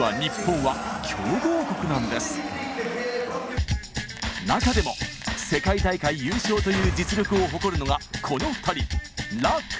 実は中でも世界大会優勝という実力を誇るのがこの２人ＬＡＣＬＡＳＳＩＣ。